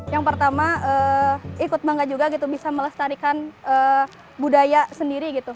yang pertama ikut bangga juga gitu bisa melestarikan budaya sendiri gitu